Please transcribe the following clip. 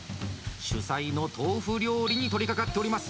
主菜の豆腐料理に取りかかっております。